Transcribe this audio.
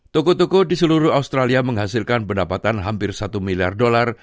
toko toko di seluruh australia menghasilkan pendapatan hampir satu miliar dolar